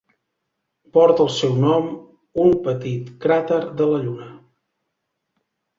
Porta el seu nom un petit cràter de la Lluna.